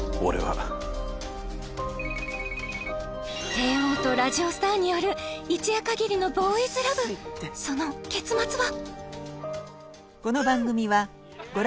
帝王とラジオスターによる一夜限りのボーイズラブその結末は？